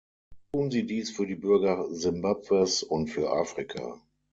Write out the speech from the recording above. Tun Sie dies für die Bürger Simbabwes und für Afrika!